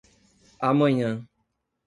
Amanhã